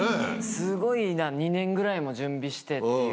すごい２年ぐらいも準備してっていう。